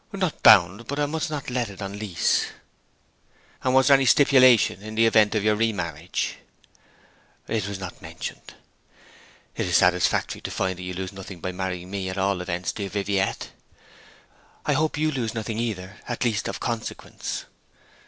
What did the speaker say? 'Not bound to. But I must not let it on lease.' 'And was there any stipulation in the event of your re marriage?' 'It was not mentioned.' 'It is satisfactory to find that you lose nothing by marrying me, at all events, dear Viviette.' 'I hope you lose nothing either at least, of consequence.'